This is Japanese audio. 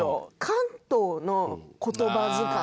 関東の言葉遣い。